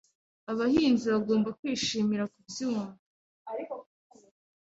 Abahinzi bagomba kwishimira kubyumva.